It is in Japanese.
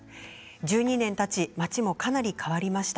１２年たつと街のか、なり変わりました。